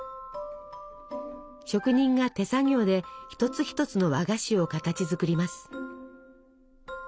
職人が手作業で一つ一つの和菓子を形づくります。